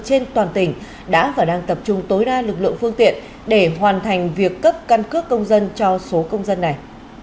trên toàn tỉnh đã và đang tập trung tối đa lực lượng phương tiện để hoàn thành việc cấp căn cước công dân cho số công dân này